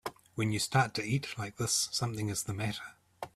When you start to eat like this something is the matter.